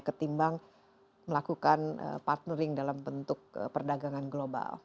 ketimbang melakukan partnering dalam bentuk perdagangan global